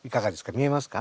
見えますか？